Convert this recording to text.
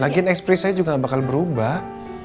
lagian ekspresinya juga gak bakal berubah